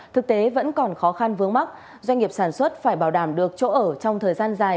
thực tế vẫn còn khó khăn vướng mắt doanh nghiệp sản xuất phải bảo đảm được chỗ ở trong thời gian dài